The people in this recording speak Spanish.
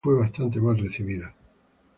Al principio fue bastante mal recibida.